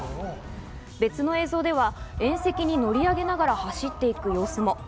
別の映像では縁石に乗り上げながら走っていく様子も。